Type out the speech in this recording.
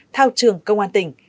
thao trường công an tỉnh